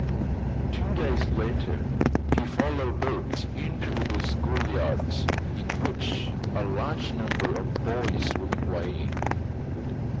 Two days later he followed Bert into the schoolyard, in which a large number of boys were playing.